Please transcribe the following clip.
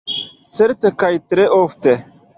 Certe, kaj tre ofte.